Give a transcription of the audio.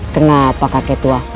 kenapa kakek tua